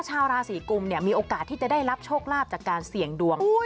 ชาวราศีกุมเนี่ยมีโอกาสที่จะได้รับโชคลาภจากการเสี่ยงดวง